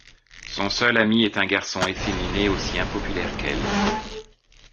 Son seul ami est un garçon efféminé aussi impopulaire qu'elle.